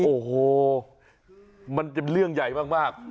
โอ้โหมันจะเรื่องใหญ่มาก